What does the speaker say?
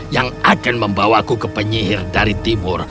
yang akan membawaku ke penyihir dari timur